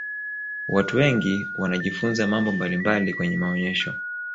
watu wengi wanajifunza mambo mbalimbali kwenye maonesho